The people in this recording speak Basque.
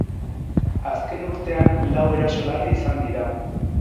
Azken urtean, lau eraso larri izan dira.